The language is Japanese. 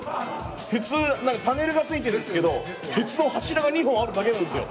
普通パネルがついてるんですけど鉄の柱が２本あるだけなんですよ。